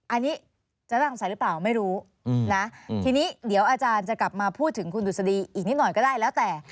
อันนี้จะตั้งใส่หรือเปล่าไม่รู้นะทีนี้เดี๋ยวอาจารย์จะกลับมาพูดถึงคุณดุษฎีอีกนิดหน่อยก็ได้แล้วแต่